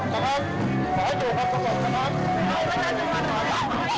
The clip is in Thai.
ขอบคุณครับขอบคุณครับ